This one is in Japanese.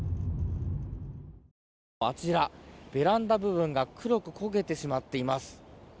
あちら、ベランダ部分が黒く焦げてしまっています。